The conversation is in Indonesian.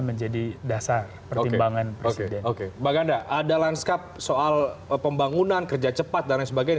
menjadi dasar pertimbangan oke oke baganda ada lanskap soal pembangunan kerja cepat dan sebagainya